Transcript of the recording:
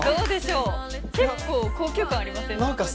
お結構高級感ありません？